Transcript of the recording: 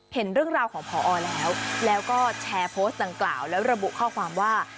เห็นเรื่องราวของพอแล้วแล้วก็แชร์โพสต์ดังกล่าวแล้วระบุข้อความว่า